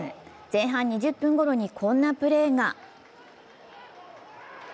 前半２０分ごろにこんなプレーが。